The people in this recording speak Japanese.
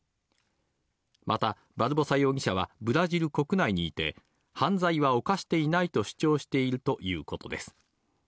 また、バルボサ容疑者はブラジル国内にいて、犯罪は犯していないと主張しているということです。